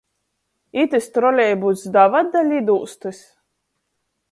Itys trolejbuss davad da lidūstys?